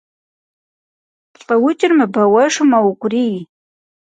Лӏыукӏыр мыбэуэжу мэукӏурий.